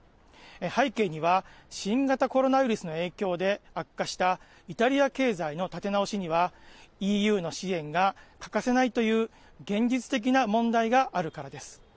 背景には、新型コロナウイルスの影響で悪化したイタリア経済の立て直しにはＥＵの支援が欠かせないという現実的な問題があるからです。